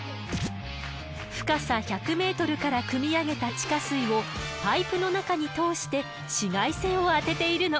深さ１００メートルからくみ上げた地下水をパイプの中に通して紫外線を当てているの。